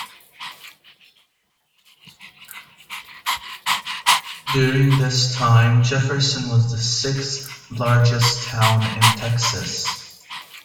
During this time, Jefferson was the sixth largest town in Texas.